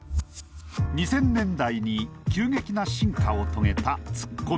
２０００年代に急激な進化を遂げたツッコミ。